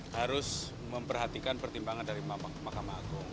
harus memperhatikan pertimbangan dari mahkamah agung